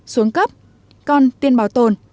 xuống cấp còn tiên bảo tồn